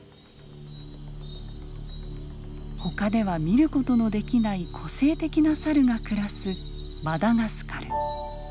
ほかでは見る事のできない個性的なサルが暮らすマダガスカル。